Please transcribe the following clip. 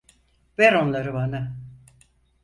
Ver onları bana.